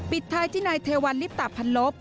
ปิดท้ายที่นายเทวันนิปตะพันลบ